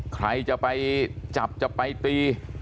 ใครจะไปจับจะไปตี